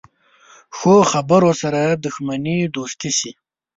ښو خبرو سره دښمني دوستي شي.